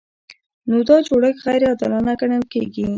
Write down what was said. نو دا جوړښت غیر عادلانه ګڼل کیږي.